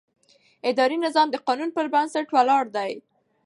اداري نظام د قانون پر بنسټ ولاړ دی.